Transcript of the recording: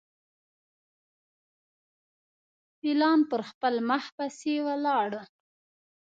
پلان پر خپل مخ پسي ولاړ.